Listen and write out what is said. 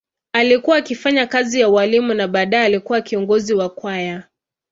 Alikuwa akifanya kazi ya ualimu na baadaye alikuwa kiongozi wa kwaya.